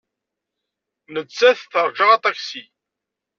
Nettat teṛja aṭaksi.